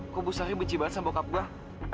kok bu sari benci banget sama bokap gua